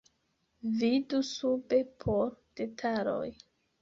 Vidu sube por detaloj.